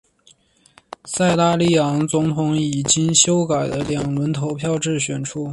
塞拉利昂总统以经修改的两轮投票制选出。